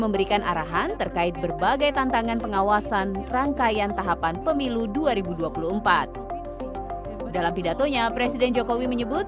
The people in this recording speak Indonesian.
badan pengawas pemilu